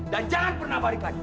jangan pernah balik lagi